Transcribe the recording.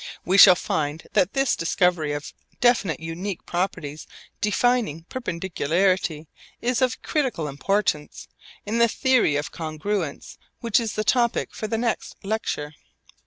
We shall find that this discovery of definite unique properties defining perpendicularity is of critical importance in the theory of congruence which is the topic for the next lecture.